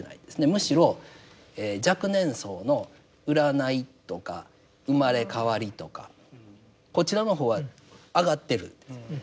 むしろ若年層の占いとか生まれ変わりとかこちらの方は上がっているんです。